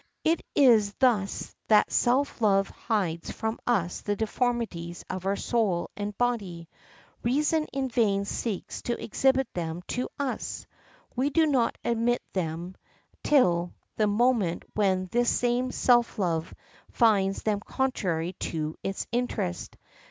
It is thus that self love hides from us the deformities of our soul and body. Reason in vain seeks to exhibit them to us, we do not admit them till the moment when this same self love finds them contrary to its interest.